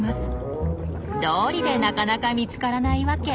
どうりでなかなか見つからないわけ。